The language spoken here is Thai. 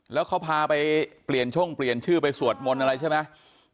แล้วเขาพาไปเปลี่ยนช่องเปลี่ยนชื่อไปสวดมนต์อะไรใช่ไหม